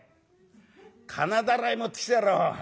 「金だらい持ってきてやろう。